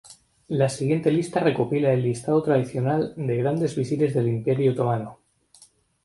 La siguiente lista recopila el listado tradicional de grandes visires del Imperio otomano.